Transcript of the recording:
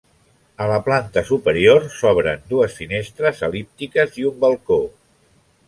A la planta superior s'obren dues finestres el·líptiques i un balcó.